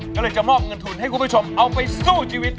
ก็เลยจะมอบเงินทุนให้คุณผู้ชมเอาไปสู้ชีวิต